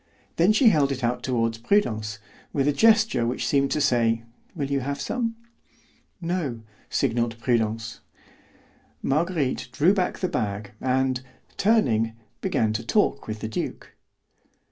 Then she held it out toward Prudence, with a gesture which seemed to say, "Will you have some?" "No," signalled Prudence. Marguerite drew back the bag, and, turning, began to talk with the duke.